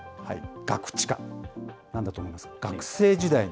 ガクチカ、なんだと思いますか？